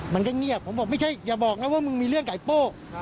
มันก็เงียบผมบอกไม่ใช่อย่าบอกนะว่ามึงมีเรื่องไก่โป้